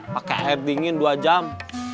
pakai air dingin dua jam